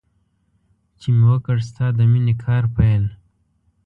چې مې وکړ ستا د مینې کار پیل.